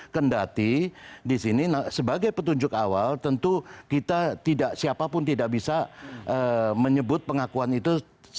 kendati di sini sebagai petunjuk awal tentu kita tidak siapapun tidak bisa menyebut pengakuan itu